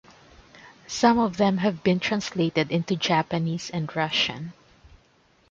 Some of them have been translated into Japanese and Russian.